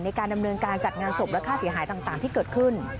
ในการดำเนินการจัดงานศพและค่าเสียหายต่างที่เกิดขึ้น